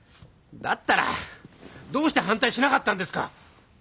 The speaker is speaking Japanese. だったらどうして反対しなかったんですか！